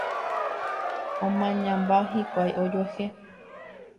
Omañamba hikuái ojuehe